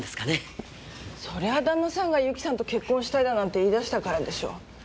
そりゃ旦那さんが友紀さんと結婚したいだなんて言いだしたからでしょ